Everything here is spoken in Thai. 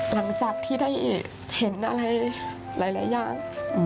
หลังจากที่ได้เห็นอะไรหลายอย่าง